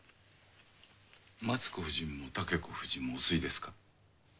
松子夫人も竹子夫人もお吸いですか？